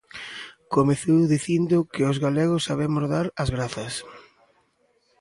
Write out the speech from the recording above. Comezou dicindo que os galegos sabemos dar as grazas.